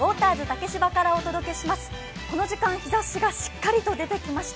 竹芝からお届けします。